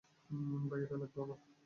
ভাই, এরে লাগবে আমার।